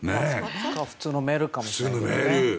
普通のメールかもしれない。